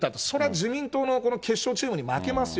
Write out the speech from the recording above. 自民党の決勝チームに負けますよ。